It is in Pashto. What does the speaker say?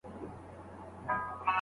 آیا فیل تر اوښ لوی دی؟